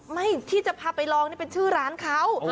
ไม่ที่จะพาไปลองนี่เป็นชื่อร้านเขา